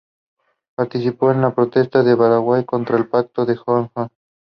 The chapel was enlarged during the pastorate of Rev.